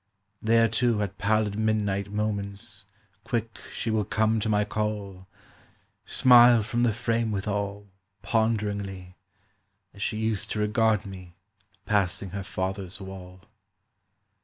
"There, too, at pallid midnight moments Quick she will come to my call, Smile from the frame withal Ponderingly, as she used to regard me Passing her father's wall.